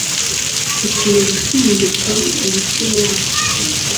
ukwiye gusingizwa, umukiro wacu